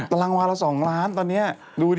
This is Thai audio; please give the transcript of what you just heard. ตารางวาละ๒ล้านตอนนี้ดูดิ